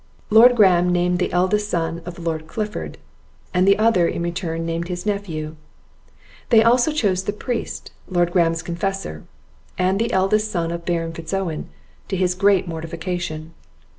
Lord Graham named the eldest son of Lord Clifford, and the other, in return, named his nephew; they also chose the priest, Lord Graham's confessor, and the eldest son of Baron Fitz Owen, to his great mortification.